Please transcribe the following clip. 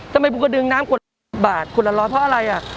ถ้าไปภูกระดึงน้ำกว่าบาทกว่าละร้อยเพราะอะไรอ่ะ